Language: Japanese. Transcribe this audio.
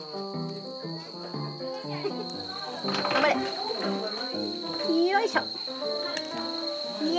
頑張れ！よいしょ。